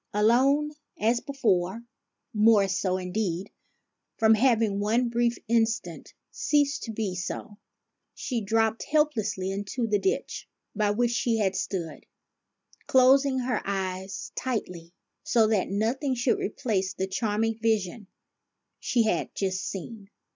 Alone as before, more so, indeed, from having one brief instant ceased to be so, she dropped helplessly into the ditch by which she had stood, closing her eyes tightly, so that nothing should replace the charming vision she had just seen.